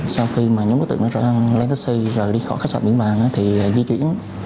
sau khi mà nhóm đối tượng đã lấy taxi rồi đi khỏi khách sạn biển vàng thì di chuyển